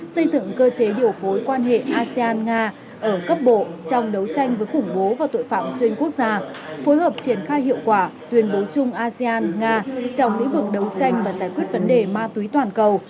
xây dựng cơ chế điều phối quan hệ asean nga ở cấp bộ trong đấu tranh với khủng bố và tội phạm xuyên quốc gia phối hợp triển khai hiệu quả tuyên bố chung asean nga trong lĩnh vực đấu tranh và giải quyết vấn đề ma túy toàn cầu